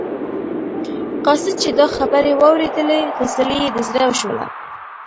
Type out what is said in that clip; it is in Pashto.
قاصد چې دا خبرې واورېدلې تسلي یې د زړه وشوله.